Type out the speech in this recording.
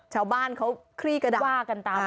ชาวบ้านเขาคลี่กระดาษ